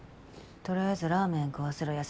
とりあえずラーメン食わせろや。